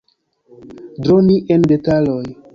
Droni en detaloj.